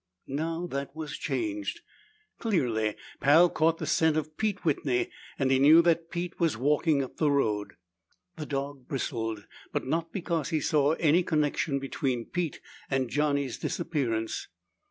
Now that was changed. Clearly Pal caught the scent of Pete Whitney and he knew that Pete was walking up the road. The dog bristled, but not because he saw any connection between Pete and Johnny's disappearance.